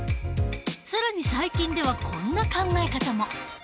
更に最近ではこんな考え方も。